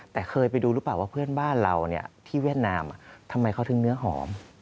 แต่เคยไปดูหรือเปล่าว่าเพื่อนบ้านเราที่เวียดนามทำไมเขาถึงเนื้อหอม